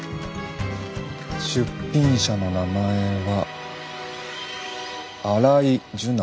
出品者の名前は荒井樹菜。